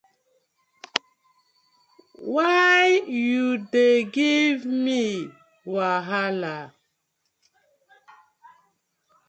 Why you dey give me wahala?